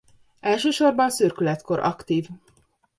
Elsősorban szürkületkor aktív.